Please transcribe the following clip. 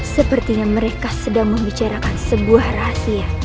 sepertinya mereka sedang membicarakan sebuah rahasia